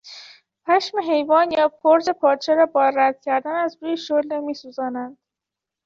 پشم حیوان یا پرز پارچه را با رد کردن از روی شعله میسوزانند.